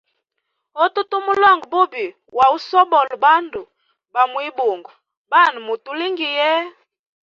Utu tumulonga bubi wa usobola bandu ba mwibungo, banwe mutulingiye.